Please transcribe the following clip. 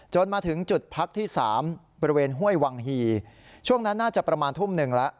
มาถึงจุดพักที่๓บริเวณห้วยวังฮีช่วงนั้นน่าจะประมาณทุ่มหนึ่งแล้ว